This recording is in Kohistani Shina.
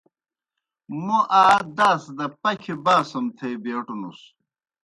موْ آ داس دہ پكھىْ باسُم تھے بیٹوْنُس۔